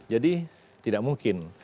jadi tidak mungkin